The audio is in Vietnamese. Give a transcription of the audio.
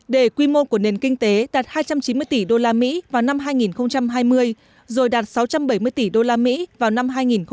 để quy mô của nền kinh tế đạt hai trăm chín mươi tỷ usd vào năm hai nghìn hai mươi rồi đạt sáu trăm bảy mươi tỷ usd vào năm hai nghìn ba mươi